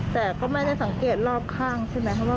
แต่ก็ไม่ได้สังเกตรอบข้างใช่ไหมครับว่า